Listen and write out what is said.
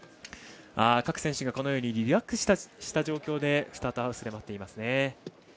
各選手がリラックスした状況でスタートハウスで待っています。